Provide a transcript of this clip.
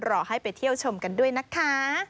รอให้ไปเที่ยวชมกันด้วยนะคะ